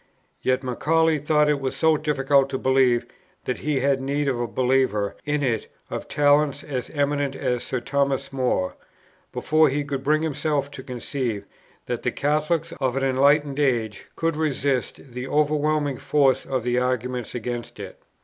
Yet Macaulay thought it so difficult to believe, that he had need of a believer in it of talents as eminent as Sir Thomas More, before he could bring himself to conceive that the Catholics of an enlightened age could resist "the overwhelming force of the argument against it."